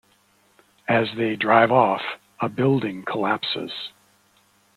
As they drive off, a building collapses.